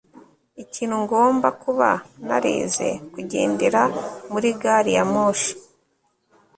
Ikintu ngomba kuba narize kugendera muri gari ya moshi